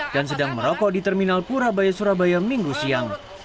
dan sedang merokok di terminal purabaya surabaya minggu siang